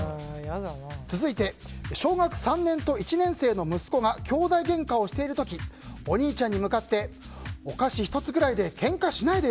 続いて小学３年と１年の息子がきょうだいげんかをしている時お兄ちゃんに向かってお菓子１つくらいでけんかしないでよ